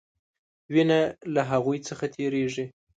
وینه له هغوي څخه تیریږي.